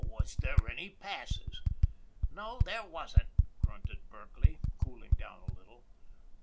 Was there any passes ?"" No, there wasn't," grunted Berkely, cooling down a little.